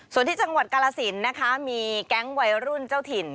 ส่วนที่จังหวัดกาลสินนะคะมีแก๊งวัยรุ่นเจ้าถิ่น